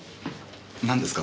なんですか？